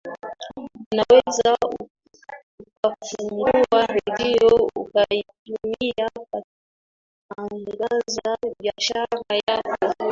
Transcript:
unaweza ukafungua redio ukaitumia kutangaza biashara yako